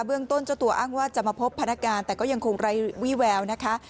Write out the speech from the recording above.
เรื่องต้นเจ้าตัวอ้างว่าจะมาพบพนักงานแต่ก็ยังคงไร้วี่แววนะคะ